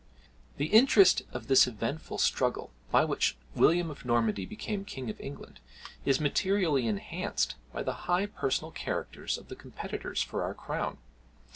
] The interest of this eventful struggle, by which William of Normandy became King of England, is materially enhanced by the high personal characters of the competitors for our crown.